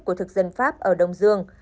của thực dân pháp ở đông dương